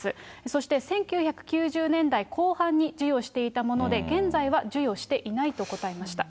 そして１９９０年代後半に授与していたもので、現在は授与していないと答えました。